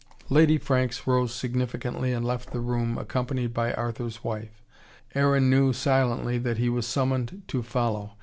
Lady Franks rose significantly and left the room, accompanied by Arthur's wife. Aaron knew, silently, that he was summoned to follow.